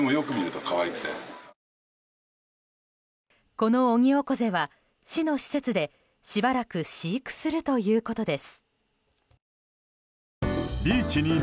このオニオコゼは市の施設でしばらく飼育するということです。